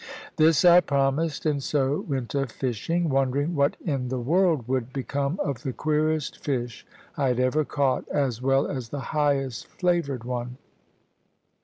This I promised, and so went a fishing, wondering what in the world would become of the queerest fish I had ever caught, as well as the highest flavoured one.